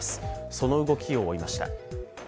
その動きを追いました。